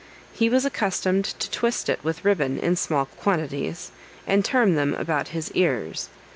He was accustomed to twist it with ribbon in small quantities, and turn them about his ears.